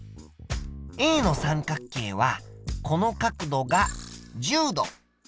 Ａの三角形はこの角度が１０度。